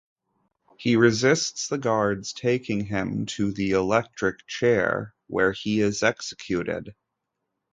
He resists the guards taking him to the electric chair, where he is executed.